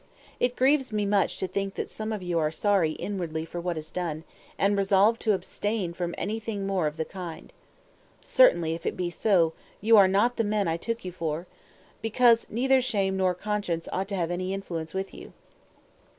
It grieves me much to think that some of you are sorry inwardly for what is done, and resolve to abstain from anything more of the kind. Certainly, if it be so, you are not the men I took you for; because neither shame nor conscience ought to have any influence with you.